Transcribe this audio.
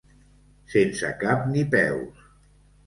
Sense cap ni peus.